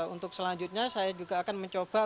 untuk selanjutnya saya juga akan mencoba untuk alihkan